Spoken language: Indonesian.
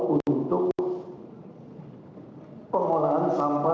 untuk pengelolaan sampah